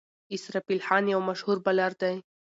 اسرافیل خان یو مشهور بالر دئ.